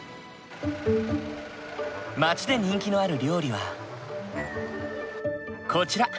町で人気のある料理はこちら。